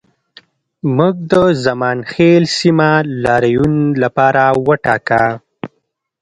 موږ د زمانخیل سیمه د لاریون لپاره وټاکه